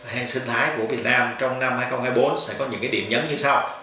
hệ sinh thái của việt nam trong năm hai nghìn hai mươi bốn sẽ có những điểm nhấn như sau